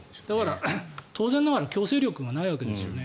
当然ながら強制力がないわけですよね。